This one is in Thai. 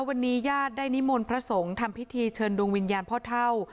วันนี้ญาติได้นิมนต์พระสงฆ์ทำพิธีเชิญดวงวิญญาณพ่อเท่า